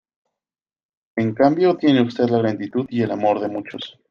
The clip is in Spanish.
En cambio tiene usted la gratitud y el amor de muchos.